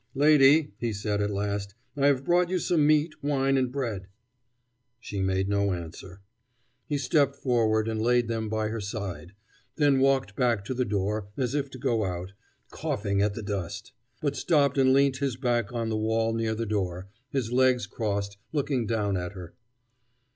"Lady," he said at last, "I have brought you some meat, wine, and bread." She made no answer. He stepped forward, and laid them by her side; then walked back to the door, as if to go out, coughing at the dust; but stopped and leant his back on the wall near the door, his legs crossed, looking down at her.